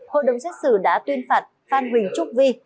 hội đồng xét xử đã tuyên phạt phan huỳnh trúc vi